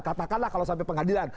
katakanlah kalau sampai pengadilan